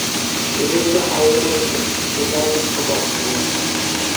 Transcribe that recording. Эпир те аллӑмӗш хута хӑпартӑмӑр.